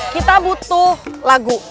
kita butuh lagu